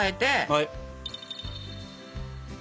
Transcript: はい。